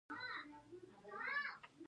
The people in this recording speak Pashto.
آیا میناکاري په اصفهان کې نه کیږي؟